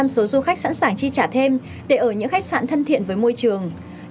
ba mươi bốn số du khách sẵn sàng chi trả thêm để ở những khách sạn thân thiện với môi trường